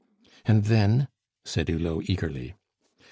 "And then," said Hulot eagerly.